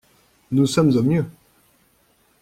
Nous sommes au mieux.